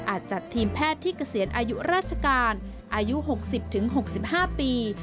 จัดทีมแพทย์ที่เกษียณอายุราชการอายุ๖๐๖๕ปี